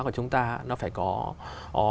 của chúng ta nó phải có